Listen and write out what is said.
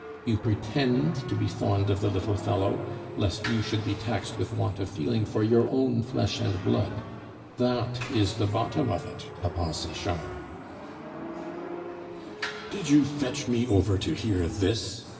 You pretend to be fond of the little fellow, lest you should be taxed with want of feeling for your own flesh and blood. That is the bottom of it, Papa Sechard." "Did you fetch me over to hear this?"